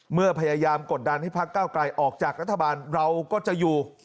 เมื่อพยายามกดดันให้พักเก้าไกลออกจากรัฐบาลเราก็จะอยู่